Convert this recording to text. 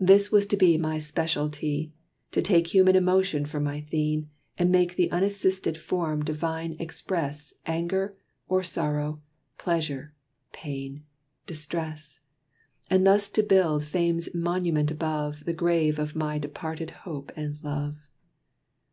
This was to be my specialty: To take Human emotion for my theme, and make The unassisted form divine express Anger or Sorrow, Pleasure, Pain, Distress; And thus to build Fame's monument above The grave of my departed hope and love.